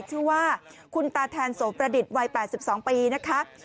ชื่อว่าคุณตาแทนโสประดิษฐ์วัย๘๒ปีนะคะ